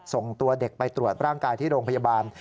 ส่งตัวเด็กไปตรวจร่างกายที่โรงพยาบาล